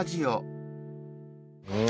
うん！